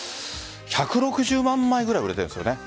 １６０万枚ぐらい売れてるんですよね。